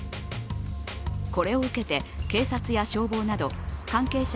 これを受けて警察や消防など関係者